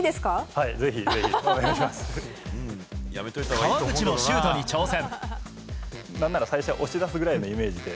川口もシュートに挑戦。